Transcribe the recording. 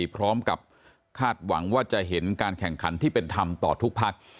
พร้อมกับคาดหวังว่าจะเห็นการแข่งขันที่เป็นธรรมต่อทุกพัก